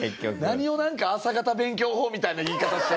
何をなんか朝方勉強法みたいな言い方して。